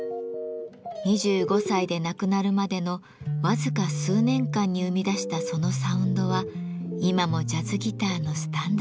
２５歳で亡くなるまでの僅か数年間に生み出したそのサウンドは今もジャズギターのスタンダードです。